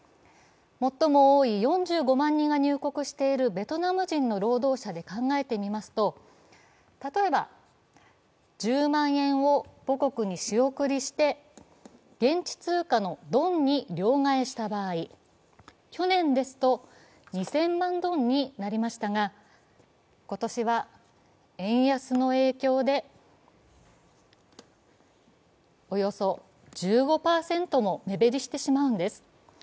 最も多い４５万人が入国しているベトナム人の労働者で考えますと例えば１０万円を母国に仕送りして現地通貨のドンに両替した場合、去年ですと２０００万ドンになりましたが今年は円安の影響でおよそ１５％も目減りしてしまうんです。